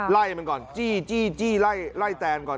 ไล่มันก่อนจี้ไล่แตนก่อน